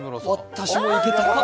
私もいけたかも。